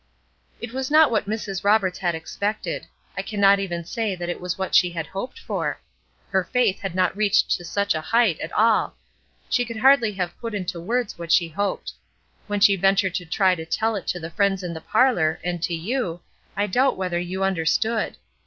It was not what Mrs. Roberts had expected. I cannot even say that it was what she had hoped for. Her faith had not reached to such a height at all. She could hardly have put into words what she hoped. When she ventured to try to tell it to the friends in the parlor, and to you, I doubt whether you understood.